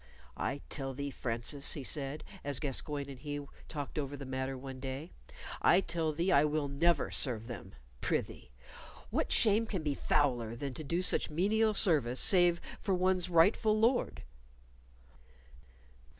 "I tell thee, Francis," he said, as Gascoyne and he talked over the matter one day "I tell thee I will never serve them. Prithee, what shame can be fouler than to do such menial service, saving for one's rightful Lord?"